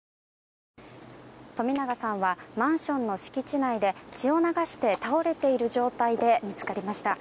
冨永さんはマンションの敷地内で血を流して倒れている状態で見つかりました。